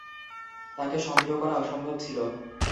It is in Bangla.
তাকে সন্দেহ করা অসম্ভব ছিল।